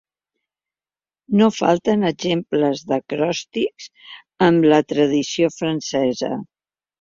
No falten exemples d'acròstics en la tradició francesa.